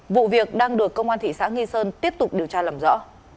vụ việc đang được công an thị xã nghi sơn tiếp tục điều tra làm rõ